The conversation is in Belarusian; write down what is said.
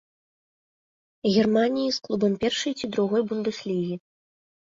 Германіі з клубам першай ці другой бундэслігі.